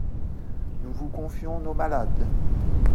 Nous vous confions nos malades.